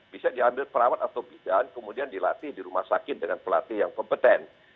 bisa diambil perawat atau bidan kemudian dilatih di rumah sakit dengan pelatih yang kompeten